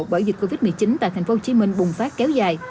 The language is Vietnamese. bởi dịch covid một mươi chín tại tp hcm bùng phát kéo dài